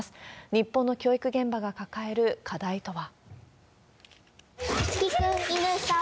日本の教育現場が抱える課題とは。